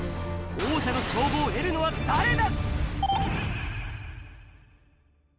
王者の称号を得るのは誰だ？